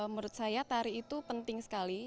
menurut saya tari itu penting sekali